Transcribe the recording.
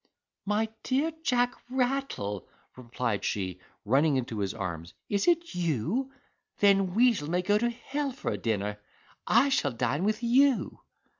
"My dear Jack Rattle!" replied she, running into his arms, "is it you? Then Weazel may go to hell for a dinner—I shall dine with you."